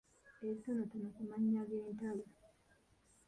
Ebitonotono ku mannya g’entalo.